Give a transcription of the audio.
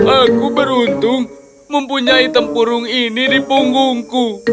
aku beruntung mempunyai tempurung ini di punggungku